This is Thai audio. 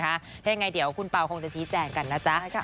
เพราะยังไงเดี๋ยวคุณปาวคงจะชี้แจ่งกันนะจ๊ะ